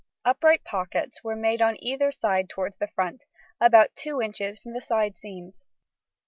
Upright pockets were made on either side towards the front, about two inches from the side seams.